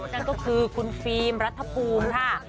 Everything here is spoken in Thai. นั่นก็คือคุณฟิล์มรัฐภูมิค่ะ